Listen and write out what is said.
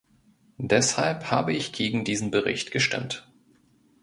Deshalb habe ich gegen diesen Bericht gestimmt.